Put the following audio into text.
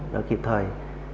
đỡ kịp thời